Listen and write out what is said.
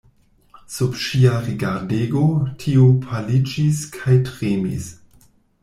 Sub ŝia rigardego tiu paliĝis kaj tremis.